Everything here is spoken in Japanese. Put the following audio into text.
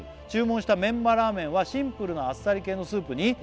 「注文したメンマラーメンはシンプルなあっさり系のスープに」